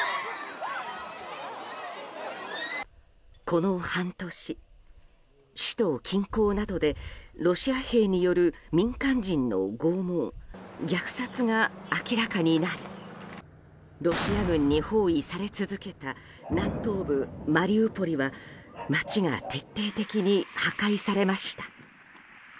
この半年、首都近郊などでロシア兵による民間人の拷問、虐殺が明らかになりロシア軍に包囲され続けた南東部マリウポリは街が徹底的に破壊されました。